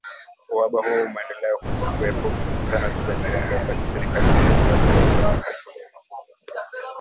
Uhaba huo umeendelea huku kukiwepo mivutano juu ya kiwango ambacho serikali inatakiwa kuyalipa makampuni ya mafuta